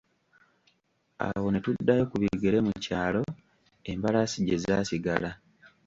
Awo ne tuddayo ku bigere mu kyalo embalaasi gye zaasigala.